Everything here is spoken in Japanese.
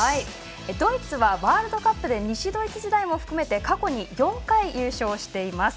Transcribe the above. ドイツはワールドカップで西ドイツ時代も含めて過去に４回、優勝しています。